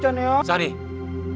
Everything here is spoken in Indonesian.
kalau kita kena apa apa gimana iksan